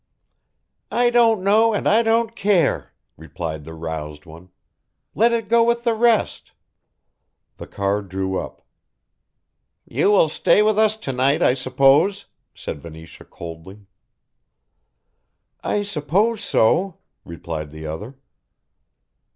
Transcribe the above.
"I don't know and I don't care," replied the roused one, "let it go with the rest." The car drew up. "You will stay with us to night, I suppose," said Venetia coldly. "I suppose so," replied the other.